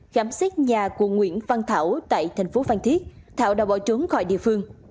khám xét nhà của nguyễn văn thảo tại tp van thiết thảo đã bỏ trốn khỏi địa phương